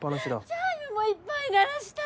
チャイムもいっぱい鳴らした！